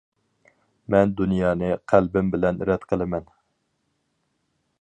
مەن دۇنيانى قەلبىم بىلەن رەت قىلىمەن.